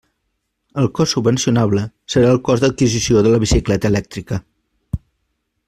El cost subvencionable serà el cost d'adquisició de la bicicleta elèctrica.